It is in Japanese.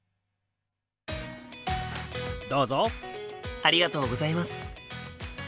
ありがとうございます。